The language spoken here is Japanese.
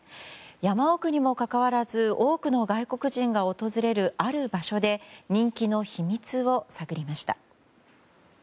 山奥にもかかわらず多くの外国人が訪れるある場所で人気の秘密を探りました。